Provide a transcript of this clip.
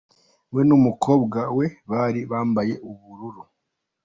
We n'umukobwa we bari bambaye ubururu.